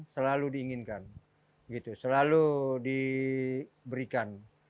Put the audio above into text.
selalu diinginkan selalu diberikan